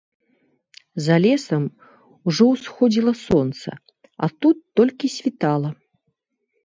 За лесам ужо ўсходзіла сонца, а тут толькі світала.